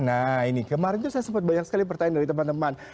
nah ini kemarin tuh saya sempat banyak sekali pertanyaan dari teman teman